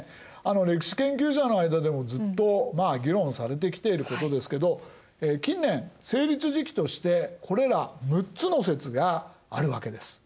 歴史研究者の間でもずっと議論されてきていることですけど近年成立時期としてこれら６つの説があるわけです。